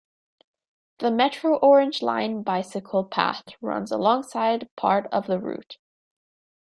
The Metro Orange Line bicycle path runs alongside part of the route.